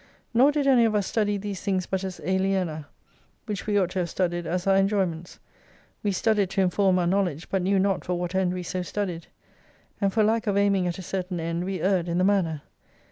Nor did any of us study these things but as aliena, which we ought to have studied as our enjoyments. "We studied to inform our knowledge, but knew not for what end we so studied. And for lack of aiming at a certain end we erred in the manner.